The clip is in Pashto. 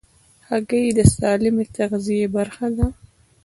هګۍ د سالمې تغذیې برخه ده.